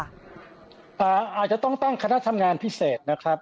อาจจะต้องตั้งคณะทำงานพิเศษนะครับ